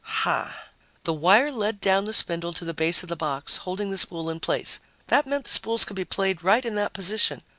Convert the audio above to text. Hah! The wire led down the spindle to the base of the box, holding the spool in place. That meant the spools could be played right in that position.